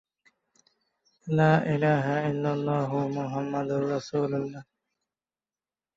বিদেশী কোন শক্তি কোন ধরনের হস্তক্ষেপ করেনি।